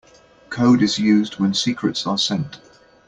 Code is used when secrets are sent.